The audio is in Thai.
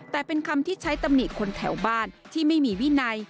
แต่เป็นคำที่ใช้ตำหนิคนแถวบ้านที่ไม่มีวินัย